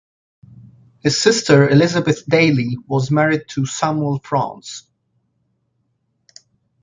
His sister Elizabeth Dalley was married to Samuel Fraunces.